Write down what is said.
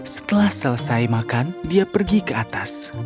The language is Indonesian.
setelah selesai makan dia pergi ke atas